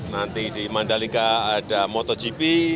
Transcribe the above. nanti di mandalika ada motogp